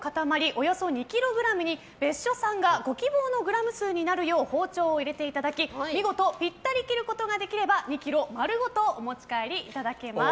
およそ２ｋｇに別所さんがご希望のグラム数になるよう包丁を入れていただき見事ぴったり切ることができれば２ｋｇまるごとお持ち帰りいただけます。